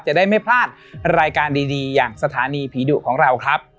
จะได้ไม่พลาดรายการดีอย่างสถานีผีดุของเราครับ